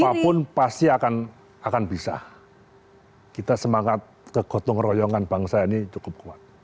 apapun pasti akan bisa kita semangat kegotong royongan bangsa ini cukup kuat